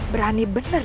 berani bener ya